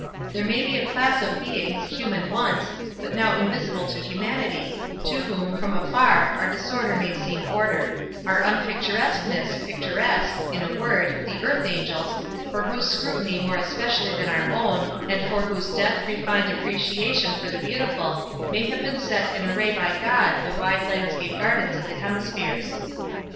There may be a class of beings, human once, but now invisible to humanity, to whom, from afar, our disorder may seem order—our unpicturesqueness picturesque; in a word, the earth angels, for whose scrutiny more especially than our own, and for whose death refined appreciation of the beautiful, may have been set in array by God the wide landscape gardens of the hemispheres."